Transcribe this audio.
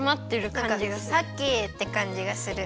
なんかさけってかんじがする。